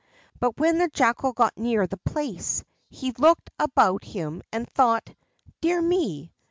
But when the Jackal got near the place, he looked about him and thought: "Dear me!